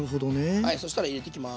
はいそしたら入れてきます。